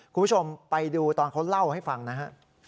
คุณผู้ชมไปดูตอนเขาเล่าให้ฟังนะฮะ